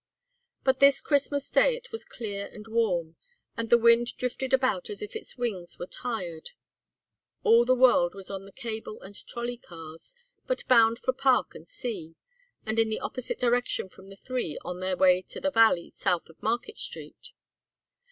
But this Christmas Day it was clear and warm, and the wind drifted about as if its wings were tired. All the world was on the cable and trolley cars, but bound for park and sea, and in the opposite direction from the three on their way to the valley south of Market Street.